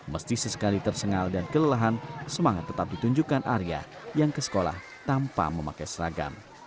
mesti sesekali tersengal dan kelelahan semangat tetap ditunjukkan arya yang ke sekolah tanpa memakai seragam